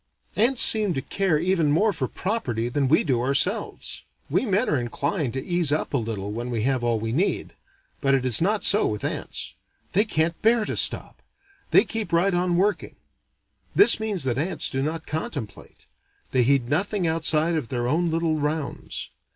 Ants seem to care even more for property than we do ourselves. We men are inclined to ease up a little when we have all we need. But it no so with ants: they can't bear to stop: they keep right on working. This means that ants do not contemplate: they heed nothing outside of their own little rounds.